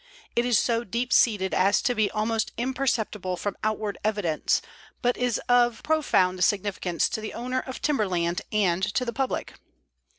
It is so deep seated as to be almost imperceptible from outward evidence, but is of profound significance to the owner of timber land and to the public.